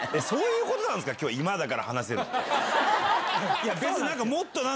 そういうことなんですか、きょう、今だから話せるって。